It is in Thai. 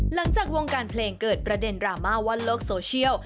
หลังจากวงการเพลงเกิดประเด็นดราม่าว่าโลกโซเชียล